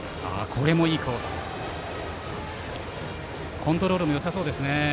コントロール、よさそうですね。